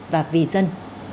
và vì dân